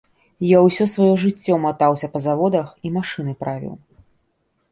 Я ўсё сваё жыццё матаўся па заводах і машыны правіў.